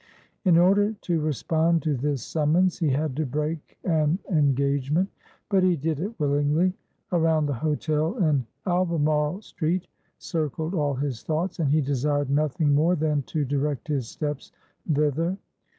In order to respond to this summons, he had to break an engagement; but he did it willingly. Around the hotel in Albemarle Street circled all his thoughts, and he desired nothing more than to direct his steps thither.